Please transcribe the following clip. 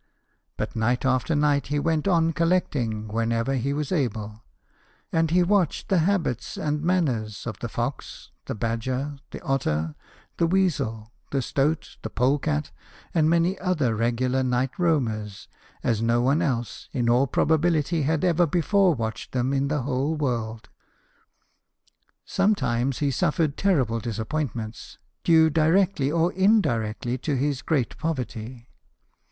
But night after night he went on collecting, whenever he was able ; and he watched the habits and manners of the fox, the badger, the otter, the weasel, the stoat, the pole cat, and many other regular night roamers as no one else, in all probability, had ever before watched them in the whole world. Sometimes he suffered terrible disappoint ments, due directly or indirectly to his great poverty.